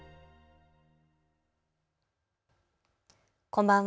こんばんは。